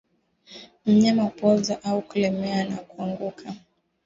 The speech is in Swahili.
Mnyama hupooza au kulemaa na kuanguka